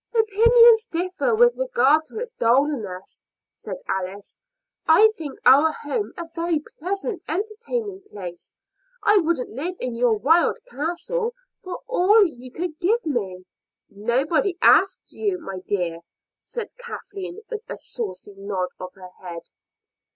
"Opinions differ with regard to its dullness," said Alice. "I think our home a very pleasant, entertaining place. I wouldn't live in your wild castle for all you could give me." "Nobody asked you, my dear," said Kathleen, with a saucy nod of her head.